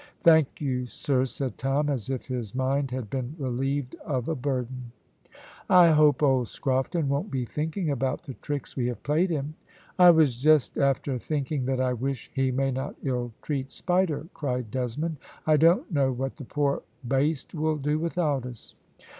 "Thank you, sir," said Tom, as if his mind had been relieved of a burden. "I hope old Scrofton won't be thinking about the tricks we have played him." "I was just after thinking that I wish he may not ill treat Spider," cried Desmond; "I don't know what the poor baste will do without us."